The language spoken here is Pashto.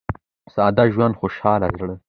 • ساده ژوند، خوشاله زړه.